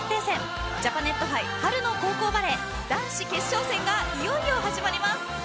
戦ジャパネット杯春の高校バレー男子決勝戦がいよいよ始まります。